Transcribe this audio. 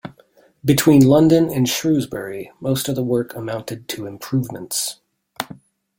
Between London and Shrewsbury, most of the work amounted to improvements.